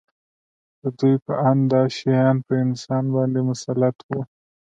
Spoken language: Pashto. د دوی په اند دا شیان په انسان باندې مسلط وو